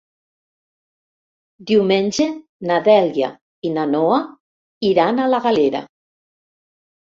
Diumenge na Dèlia i na Noa iran a la Galera.